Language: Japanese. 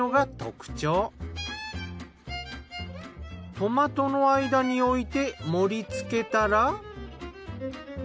トマトの間に置いて盛り付けたら。